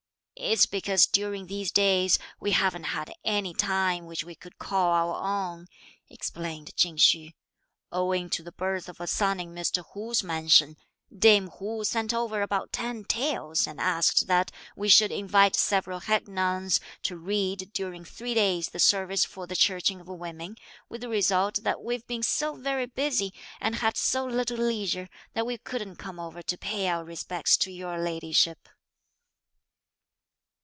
"It's because during these days we haven't had any time which we could call our own," explained Ch'ing Hsü. "Owing to the birth of a son in Mr. Hu's mansion, dame Hu sent over about ten taels and asked that we should invite several head nuns to read during three days the service for the churching of women, with the result that we've been so very busy and had so little leisure, that we couldn't come over to pay our respects to your ladyship."